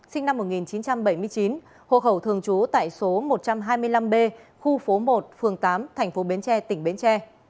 sinh năm một nghìn chín trăm bảy mươi chín hộ khẩu thường trú tại số một trăm hai mươi năm b khu phố một phường tám tp bến tre tỉnh bến tre